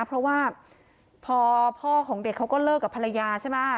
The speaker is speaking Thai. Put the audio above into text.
เพราะว่าพอพ่อของเด็กเขาก็เลิกกับภรรยาใช่ไหม